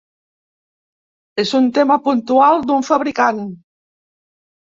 És un tema puntual d’un fabricant.